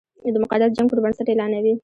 د مقدس جنګ پر بنسټ اعلانوي.